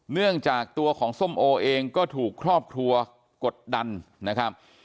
เนื่องจากตัวของส้มโอเองก็ถูกครอบครัวกดดันนะครับ